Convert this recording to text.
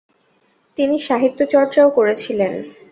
তিনি সাহিত্য চর্চাও করেছিলেন।